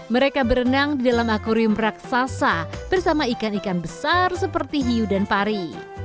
mereka berenang di dalam akwarium raksasa bersama ikan ikan besar seperti hiu dan pari